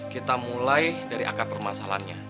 kita mulai dari akar permasalahannya